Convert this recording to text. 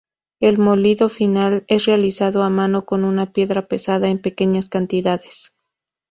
El molido final es realizado a mano con una piedra pesada en pequeñas cantidades.